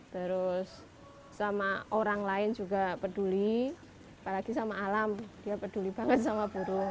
terus sama orang lain juga peduli apalagi sama alam dia peduli banget sama burung